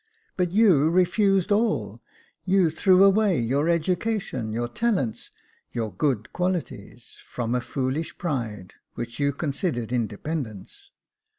But you refused all : you threw away your education, your talents, your good qualities, from a foolish pride, which you considered independence.